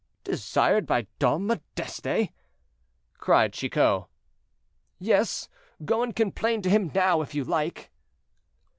"Desired by Dom Modeste!" cried Chicot. "Yes, go and complain to him now, if you like."